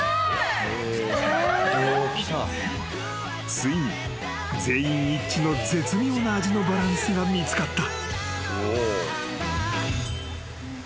［ついに全員一致の絶妙な味のバランスが見つかった］